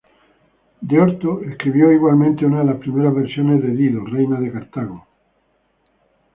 De Orto escribió igualmente una de las primeras versiones de Dido, reina de Cartago.